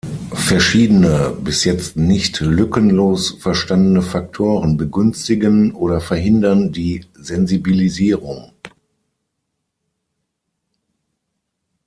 Verschiedene, bis jetzt nicht lückenlos verstandene Faktoren begünstigen oder verhindern die Sensibilisierung.